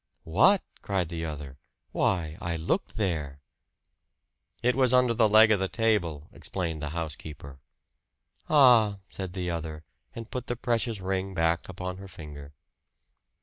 "What!" cried the other. "Why, I looked there!" "It was under the leg of the table," explained the housekeeper. "Ah!" said the other, and put the precious ring back upon her finger.